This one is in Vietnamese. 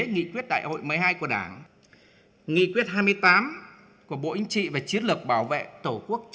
nghị quyết đại hội một mươi hai của đảng nghị quyết hai mươi tám của bộ chính trị về chiến lược bảo vệ tổ quốc